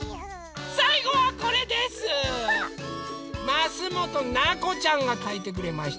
ますもとなこちゃんがかいてくれました。